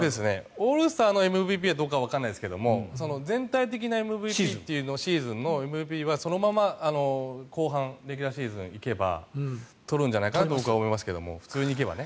オールスターのＭＶＰはどうかわかりませんけど全体的なシーズンのＭＶＰというのはそのまま後半レギュラーシーズン行けば取るんじゃないかと思いますが普通にいけばね。